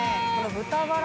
豚バラ？